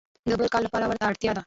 د بل کار لپاره ورته اړتیا ده.